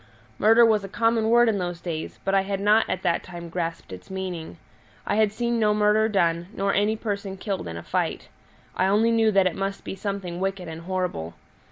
Murder was a common word in those days, but I had not at that time grasped its meaning; I had seen no murder done, nor any person killed in a fight; I only knew that it must be something wicked and horrible.